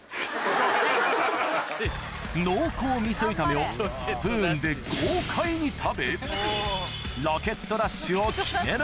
濃厚みそ炒めをスプーンで豪快に食べロケットダッシュを決める！